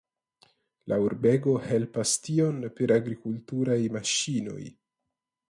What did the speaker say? La urbego helpas tion per agrikulturaj maŝinoj.